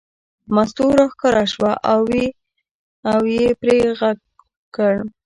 مستو راښکاره شوه او یې پرې غږ وکړ.